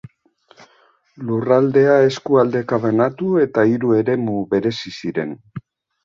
Lurraldea eskualdeka banatu eta hiru eremu berezi ziren.